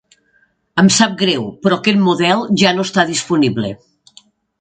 Em sap greu, però aquest model ja no està disponible.